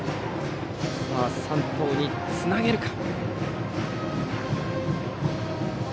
山藤につなげるか。